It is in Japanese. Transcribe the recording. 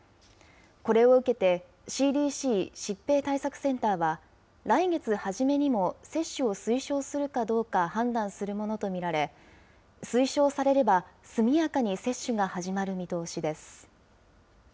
これを受けてＣＤＣ・疾病対策センターは、来月初めにも接種を推奨するかどうか判断するものと見られ、推奨されれば、速やかに接種が始まる見通しです。